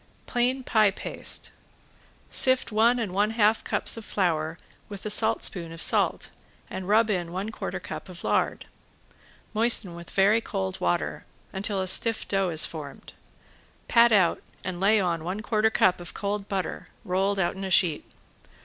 ~PLAIN PIE PASTE~ Sift one and one half cups of flour with a saltspoon of salt and rub in one quarter cup of lard. Moisten with very cold water until a stiff dough is formed. Pat out and lay on one quarter cup of cold butter rolled out in a sheet.